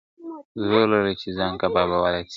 زور لري چي ځان کبابولای سي ..